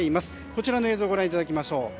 こちらの映像をご覧いただきましょう。